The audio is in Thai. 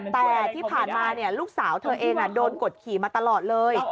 แต่ที่ผ่านมาลูกสาวเธอเองโดนกดขี่มาตลอดเลย